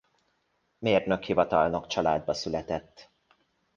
Mérnök–hivatalnok családba született.